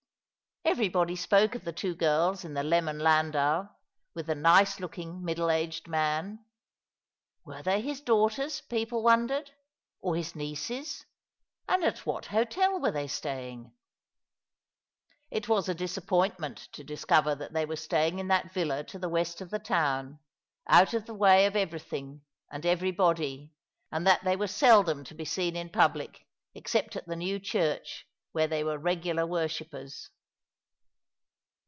Everybody spoke of the two girls in the lemon landau, with the nice looking, middle aged man. Were they his daughters, people wondered, or his nieces; and at what hotel were they staying ? It was a disappoint ment to discover that they were living in that villa to the west of the town, out of the way of everything and every body, and that they were seldom to be seen in public, exccjit at the new church, where they were regular worshippers.